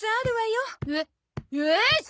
よし！